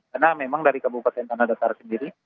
karena memang dari kabupaten tanah datar sendiri